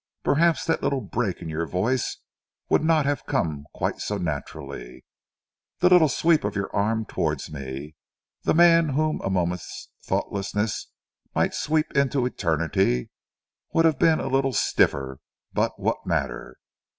Perhaps that little break in your voice would not have come quite so naturally, the little sweep of your arm towards me, the man whom a moment's thoughtlessness might sweep into Eternity, would have been a little stiffer, but what matter?